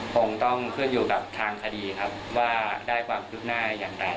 คงต้องขึ้นอยู่กับทางคดีครับว่าได้ความคืบหน้าอย่างไร